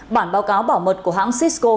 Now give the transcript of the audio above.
bản báo cáo bảo mật của hãng cisco